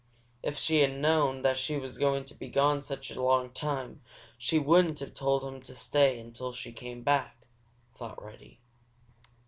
If she had known that she was going to be gone such a long time, she wouldn't have told him to stay until she came back, thought Reddy.